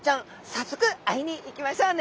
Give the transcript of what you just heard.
早速会いに行きましょうね。